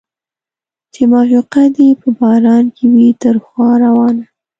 چې معشوقه دې په باران کې وي تر خوا روانه